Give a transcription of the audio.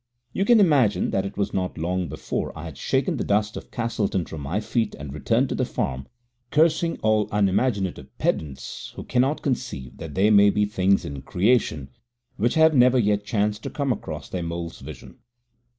You can imagine that it was not long before I had shaken the dust of Castleton from my feet and returned to the farm, cursing all unimaginative pedants who cannot conceive that there may be things in creation which have never yet chanced to come across their mole's vision.